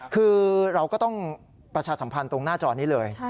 คือเราก็ต้องประชาสัมพันธ์ตรงหน้าจอนี้เลย